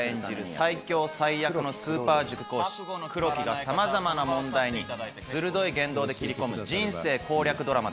最強最悪のスーパー塾講師黒木がさまざまな問題に鋭い言動で斬り込む人生攻略ドラマです。